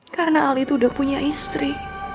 karena al itu udah punya istri